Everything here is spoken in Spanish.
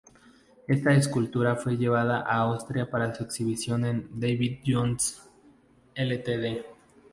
Esta escultura fue llevada a Australia para su exhibición en David Jones Ltd.